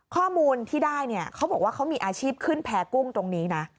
ข้อมูลที่ได้เนี่ยเขาบอกว่าเขามีอาชีพขึ้นแพ้กุ้งตรงนี้นะ